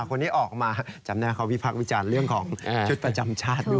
คนนี้ออกมาจำได้เขาวิพักษ์วิจารณ์เรื่องของชุดประจำชาติด้วย